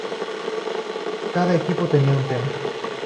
Cada equipo tenía un tema.